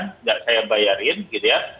tidak saya bayarin gitu ya